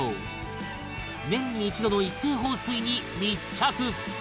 年に一度の一斉放水に密着！